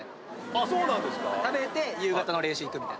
ああそうなんですか？